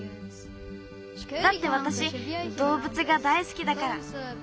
だってわたしどうぶつが大すきだから。